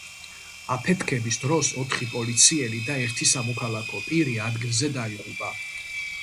აფეთქების დროს ოთხი პოლიციელი და ერთი სამოქალაქო პირი ადგილზე დაიღუპა.